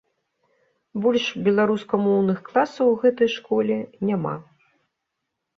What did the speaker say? Больш беларускамоўных класаў у гэтай школе няма.